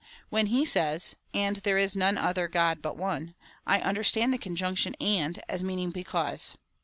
When he says — and there is none other God but one, I understand the con junction and as meaning because.